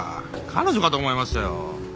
彼女かと思いましたよ。